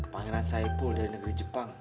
pangeran saipul dari negeri jepang